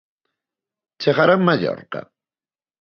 Chegará en Mallorca?